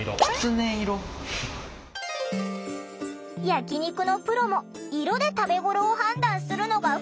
焼き肉のプロも色で食べごろを判断するのがふつう。